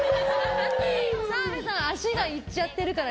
澤部さん足がいっちゃってるから。